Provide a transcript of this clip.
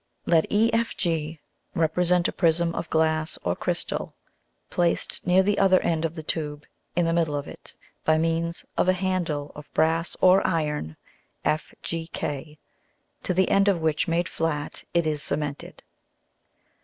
Let EFG represent a Prism of Glass or Crystal placed near the other end of the Tube, in the middle of it, by means of a handle of Brass or Iron FGK, to the end of which made flat it is cemented.